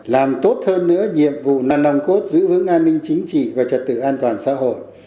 làm tốt hơn nữa nhiệm vụ nằm cốt giữ hướng an ninh chính trị và trật tự an toàn xã hội